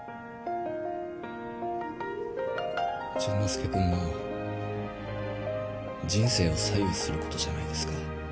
淳之介君の人生を左右することじゃないですか。